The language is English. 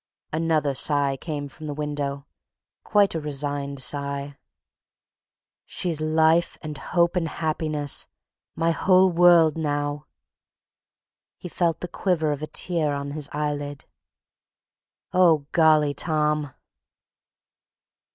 Another sigh came from the window—quite a resigned sigh. "She's life and hope and happiness, my whole world now." He felt the quiver of a tear on his eyelid. "Oh, Golly, Tom!"